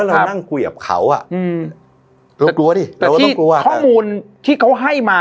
แล้วเรานั่งเกวียบเขาอ่ะอืมเรากลัวดิเราก็ต้องกลัวแต่ที่ข้อมูลที่เขาให้มา